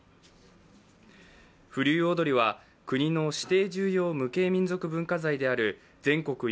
風流踊は国の指定重要無形民俗文化財である全国